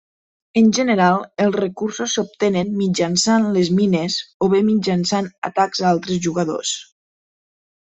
En general els recursos s'obtenen mitjançant les mines o bé mitjançant atacs a altres jugadors.